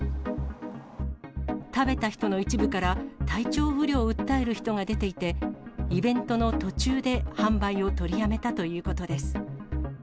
食べた人の一部から、体調不良を訴える人が出ていて、イベントの途中で販売を取りやめたということです。